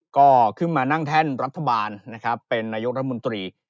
ก็ขึ้นมานั่งแท่นรัฐบาลเป็นนัยยกรมุนตรี